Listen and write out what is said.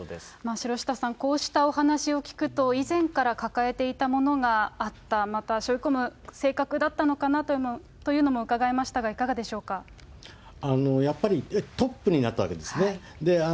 城下さん、こうしたお話を聞くと、以前から抱えていたものがあった、また、しょいこむ性格だったのかなというのもうかがえましたが、いかがやっぱりトップになったわけですね。